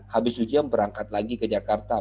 habis ujian berangkat lagi ke jakarta